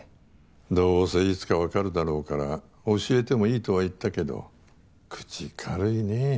どうせいつかわかるだろうから教えてもいいとは言ったけど口軽いね。